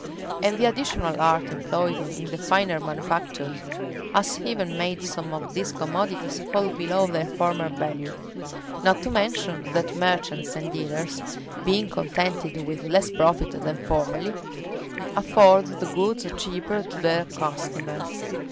And the additional art employed in the finer manufactures has even made some of these commodities fall below their former value. Not to mention, that merchants and dealers, being contented with less profit than formerly, afford the goods cheaper to their customers.